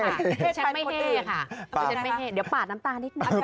อาจมีใจจะไม่เฮ่ก็เดี๋ยวปาดน้ำตานิดหนึ่ง